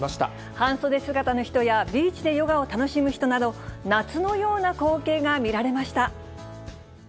半袖姿の人や、ビーチでヨガを楽しむ人など、夏のような光景が見られました。